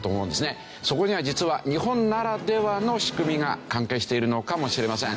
そこには実は日本ならではの仕組みが関係しているのかもしれません。